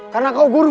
karena kau guru